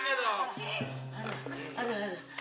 baju dia pegang robet bentar